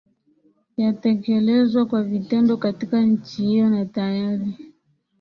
yatekelezwa kwa vitendo katika nchi hiyo na tayari